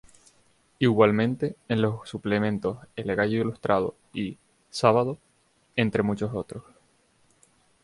Igualmente, en los suplementos "El Gallo Ilustrado" y "Sábado", entre muchos otros.